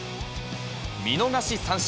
見逃し三振。